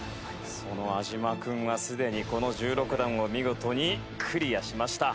その安嶋君はすでにこの１６段を見事にクリアしました。